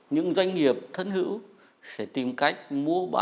những doanh nghiệp thân hữu sẽ tìm cách mua bán